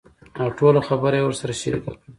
اوټوله خبره يې ورسره شريکه کړه .